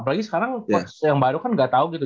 apalagi sekarang coach yang baru kan gak tau gitu